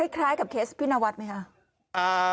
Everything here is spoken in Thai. คล้ายกับเคสพินวัตรไหมฮะ